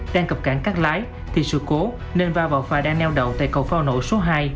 đang cập cảng cắt lái thì sự cố nên va vào phà đang neo đậu tại cầu phao nổ số hai